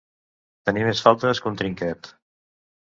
Tenir més faltes que un trinquet.